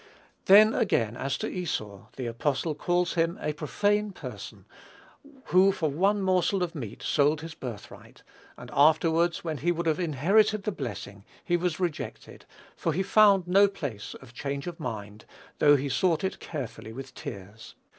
Then, again, as to Esau, the apostle calls him "a profane person, who for one morsel of meat sold his birthright," and "afterwards, when he would have inherited the blessing, he was rejected; for he found no place of change of mind, though he sought it carefully with tears."